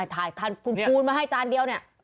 ถ่ายทานพูนมาให้จานเดียว